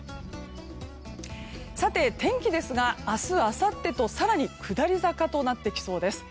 天気ですが、明日あさってと更に下り坂となってきそうです。